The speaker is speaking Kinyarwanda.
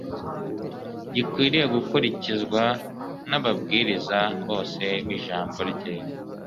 gikwiriye gukurikizwa n’ababwiriza bose b’Ijambo rye,